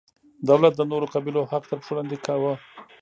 دولت د نورو قبیلو حق تر پښو لاندې کاوه.